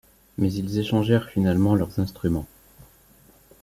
Mais ils échangèrent finalement leurs instruments.